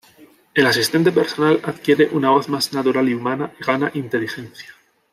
El asistente personal adquiere una voz más natural y humana, y gana inteligencia.